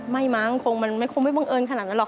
มั้งคงมันคงไม่บังเอิญขนาดนั้นหรอ